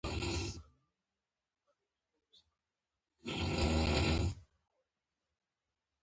ولـې خـلـک پـه اسـلامـي عـقـيده نـه روزي.